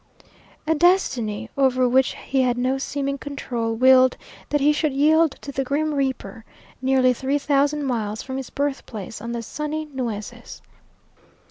A destiny, over which he had no seeming control, willed that he should yield to the grim reaper nearly three thousand miles from his birthplace on the sunny Nueces.